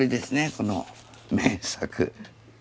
この名作。